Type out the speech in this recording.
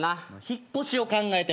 引っ越しを考えてまして。